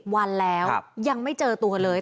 วันแล้วยังไม่เจอตัวเลย